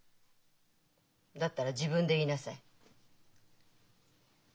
だったら自分で言いなさい。